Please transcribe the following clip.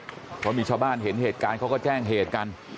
เพราะมีชาวบ้านเห็นเหตุการณ์เขาก็แจ้งเหตุกัน